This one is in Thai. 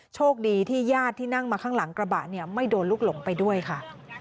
โชคดีที่ญาติที่นั่งมาข้างหลังกระบะเนี่ยไม่โดนลูกหลงไปด้วยค่ะ